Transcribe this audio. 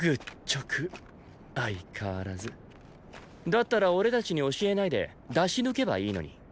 だったら俺たちに教えないで出し抜けばいいのに。